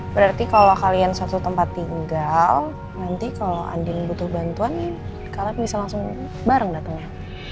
berarti kalau kalian suatu tempat tinggal nanti kalau andin butuh bantuan kalian bisa langsung bareng datangnya